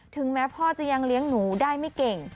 แม้พ่อจะยังเลี้ยงหนูได้ไม่เก่ง